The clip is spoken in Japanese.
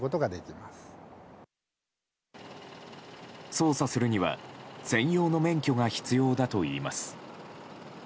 操作するには専用の免許が必要だといいます。